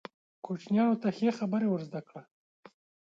کوچنیانو ته ښې خبرې ور زده کړه.